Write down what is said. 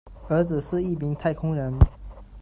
儿子是一名太空人。